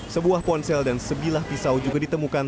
sebuah ponsel dan sebilah pisau juga ditemukan